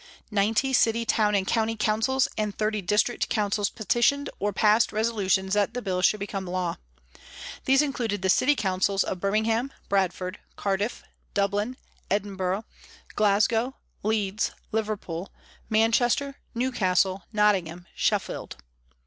Ninety city, town and county councils, and thirty district councils petitioned or passed resolutions that the Bill should become law. These included the city councils of Birmingham, Bradford, Cardiff, Dublin, Edinburgh, Glasgow, Leeds, Liverpool, Manchester, Newcastle, Nottingham, Sheffield.